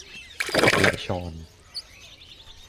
และฌอน